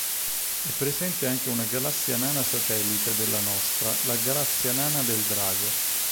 È presente anche una galassia nana satellite della nostra, la Galassia Nana del Drago.